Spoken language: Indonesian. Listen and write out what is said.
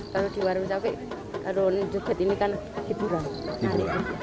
kalau di warung capek warung juga ini kan hiburan